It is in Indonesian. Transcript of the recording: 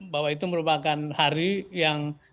bahwa itu merupakan hari yang